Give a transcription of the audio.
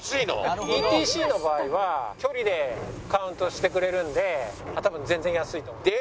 ＥＴＣの場合は距離でカウントしてくれるんで多分全然安いと思います。